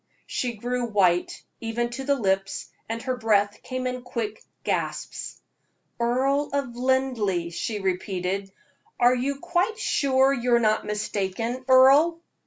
She grew white, even to the lips, and her breath came in quick gasps. "Earl of Linleigh?" she repeated. "Are you quite sure you are not mistaken, Earle?"